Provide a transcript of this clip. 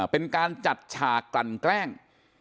เป็นการจัดฉากกลั่นแกล้ง